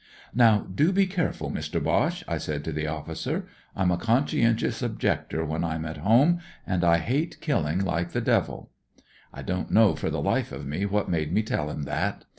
* Now do be careful. Mister Boche,' I said to the officer. ' Tm a conscientious objector when I'm at home, and I hate kiUing Uke the devil.* (I don't know for the Ufe of me what made me tell him that.)